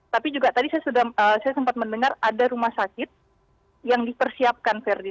tapi juga tadi saya sempat mendengar ada rumah sakit yang dipersiapkan verdi